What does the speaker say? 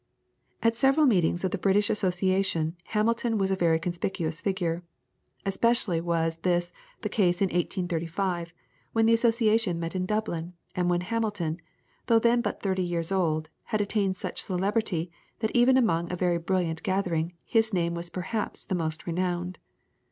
At several meetings of the British Association Hamilton was a very conspicuous figure. Especially was this the case in 1835, when the Association met in Dublin, and when Hamilton, though then but thirty years old, had attained such celebrity that even among a very brilliant gathering his name was perhaps the most renowned.